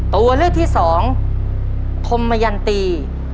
ตัวเลือกที่สองธมยันตี